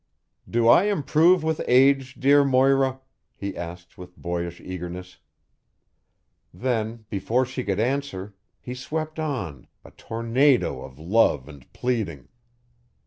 "Do I improve with age, dear Moira?" he asked with boyish eagerness; then, before she could answer, he swept on, a tornado of love and pleading.